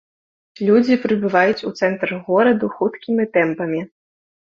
Людзі прыбываюць у цэнтр гораду хуткімі тэмпамі.